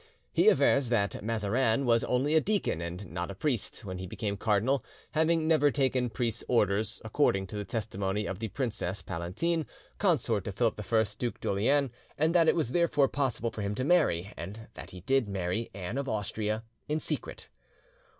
He avers that Mazarin was only a deacon, and not a priest, when he became cardinal, having never taken priest's orders, according to the testimony of the Princess Palatine, consort of Philip I, Duc d'Orleans, and that it was therefore possible for him to marry, and that he did marry, Anne of Austria in secret.